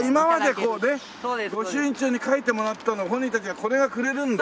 今までこうね御朱印帳に書いてもらったのを本人たちがこれをくれるんだ。